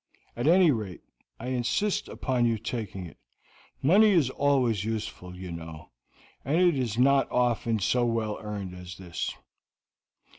At any rate, I insist upon you taking it; money is always useful, you know, and it is not often so well earned as this."